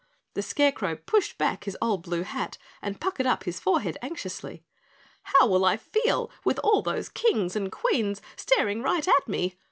The Scarecrow pushed back his old blue hat and puckered up his forehead anxiously. "How will I feel with all those Kings and Queens staring right at me?